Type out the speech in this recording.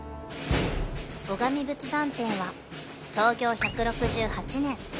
［尾上仏壇店は創業１６８年］